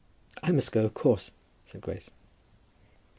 "I must go, of course," said Grace.